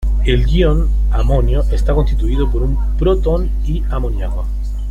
El ion amonio está constituido por un protón y amoniaco.